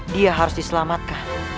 dia harus diselamatkan